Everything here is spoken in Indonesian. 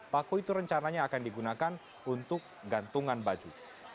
paku itu rencananya akan digunakan untuk gantungan baju